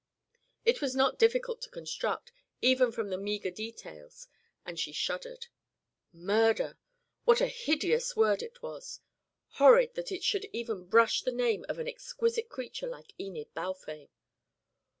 It was not difficult to construct, even from the meager details, and she shuddered. Murder! What a hideous word it was! Horrid that it should even brush the name of an exquisite creature like Enid Balfame.